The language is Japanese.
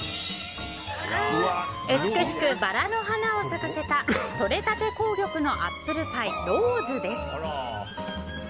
美しく、バラの花を咲かせたとれたて紅玉のアップルパイローズです。